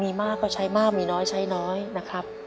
มีมากก็ใช้มากมีน้อยใช้น้อยนะครับ